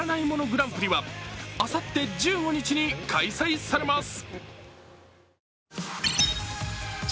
グランプリはあさって１５日に開催されます。